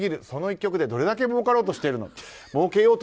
その１曲でどれだけもうけようとしているの。